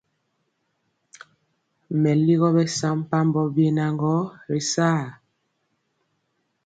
Meligɔ bɛsampambɔ biena gɔ y saa.